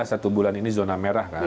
satu bulan ini zona merah kan